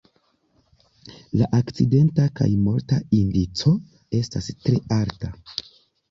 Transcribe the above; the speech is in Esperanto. La akcidenta kaj morta indico estas tre alta.